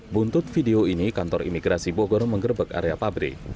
buntut video ini kantor imigrasi bogor mengerebek area pabrik